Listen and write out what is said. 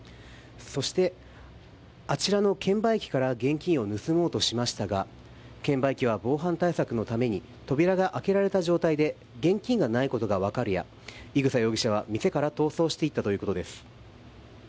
そして、あちらの券売機から現金を盗もうとしましたが券売機は防犯対策のために扉が開けられた状態で現金がないことが分かるや伊草容疑者は店から逃走していったということです。